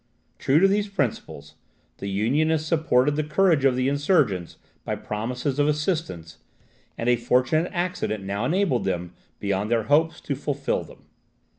True to these principles, the Unionists supported the courage of the insurgents by promises of assistance; and a fortunate accident now enabled them, beyond their hopes, to fulfil them.